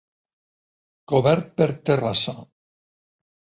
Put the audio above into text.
Cobert per terrassa.